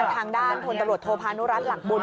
ทางด้านพลตำรวจโทพานุรัติหลักบุญ